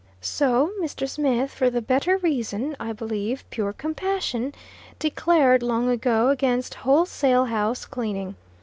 So Mr. Smith, for the better reason, I believe pure compassion declared, long ago, against wholesale house cleaning.